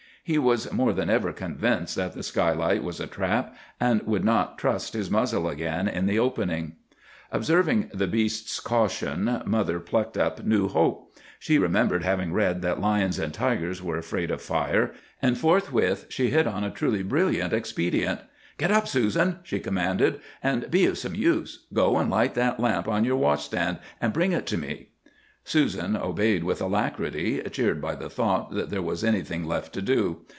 "He was more than ever convinced that the skylight was a trap, and would not trust his muzzle again in the opening. "Observing the beast's caution, mother plucked up new hope. She remembered having read that lions and tigers were afraid of fire, and forthwith she hit on a truly brilliant expedient. "'Get up, Susan,' she commanded, 'and be of some use. Go and light that lamp on your washstand, and bring it to me.' "Susan obeyed with alacrity, cheered by the thought that there was anything left to do.